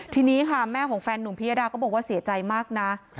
ทีนี้ค่ะแม่ของแฟนหนุ่มพิยดาก็บอกว่าเสียใจมากนะ